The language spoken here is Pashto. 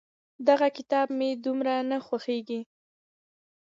دغه کتاب مې دومره نه خوښېږي.